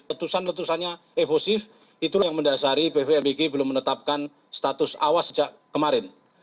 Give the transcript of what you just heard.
letusan letusannya evosif itulah yang mendasari bvmbg belum menetapkan status awas sejak kemarin